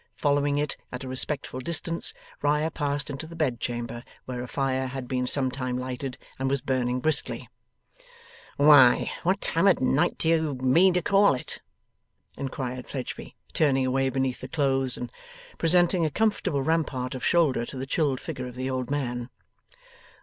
Following it at a respectful distance, Riah passed into the bed chamber, where a fire had been sometime lighted, and was burning briskly. 'Why, what time of night do you mean to call it?' inquired Fledgeby, turning away beneath the clothes, and presenting a comfortable rampart of shoulder to the chilled figure of the old man.